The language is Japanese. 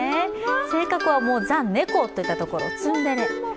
性格はザ・猫といったところツンデレ。